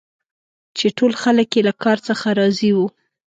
چي ټول خلک یې له کار څخه راضي وه.